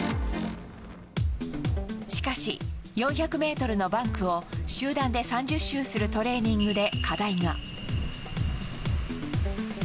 しかし４００ｍのバンクを集団で３０周するトレーニングで課題が。